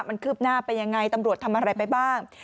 มันคืบหน้าไปยังไงตำรวจทำอะไรไปบ้าง